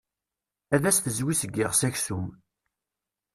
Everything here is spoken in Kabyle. Ad as-tezwi seg yiɣes aksum.